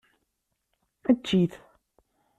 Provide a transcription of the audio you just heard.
Ečč-it.